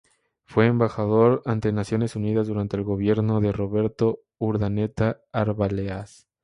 Fue embajador ante Naciones Unidas durante el gobierno de Roberto Urdaneta Arbeláez.